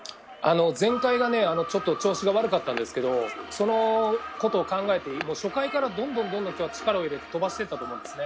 前回がちょっと調子が悪かったんですけどそのことを考えて初回からどんどん飛ばしていったと思うんですね。